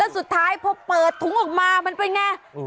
แล้วสุดท้ายพอเปิดถุงออกมามันเป็นอย่างไร